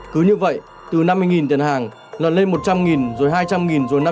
cứ như vậy từ năm mươi tiền hàng lần lên một trăm linh rồi hai trăm linh rồi năm trăm linh